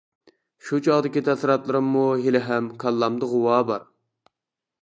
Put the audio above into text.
شۇ چاغدىكى تەسىراتلىرىممۇ ھېلىھەم كاللامدا غۇۋا بار.